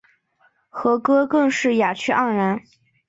和歌更是雅趣盎然。